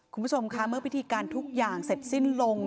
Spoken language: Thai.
คุณผู้ชมค่ะเมื่อพิธีการทุกอย่างเสร็จสิ้นลง